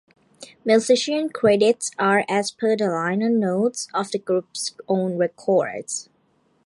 Musicians credits' are as per the liner notes of the group's own records.